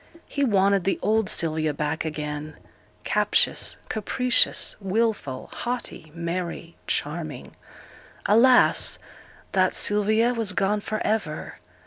He wanted the old Sylvia back again; captious, capricious, wilful, haughty, merry, charming. Alas! that Sylvia was gone for ever.